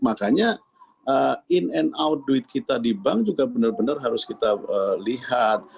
makanya in and out duit kita di bank juga benar benar harus kita lihat